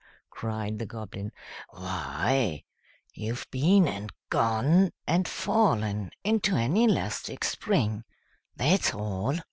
cried the Goblin. "Why, you've been and gone and fallen into an Elastic Spring, that's all.